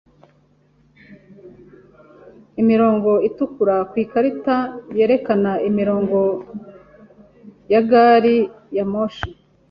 Imirongo itukura ku ikarita yerekana imirongo ya gari ya moshi.